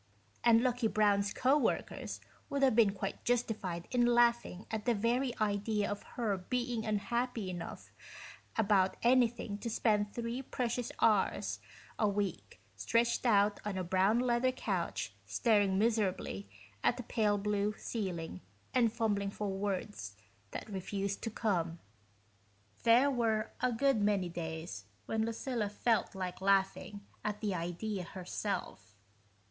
And Lucky Brown's co workers would have been quite justified in laughing at the very idea of her being unhappy enough about anything to spend three precious hours a week stretched out on a brown leather couch staring miserably at a pale blue ceiling and fumbling for words that refused to come. There were a good many days when Lucilla felt like laughing at the idea herself.